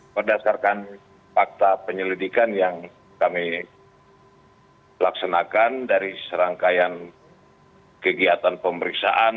berdasarkan fakta penyelidikan yang kami laksanakan dari serangkaian kegiatan pemeriksaan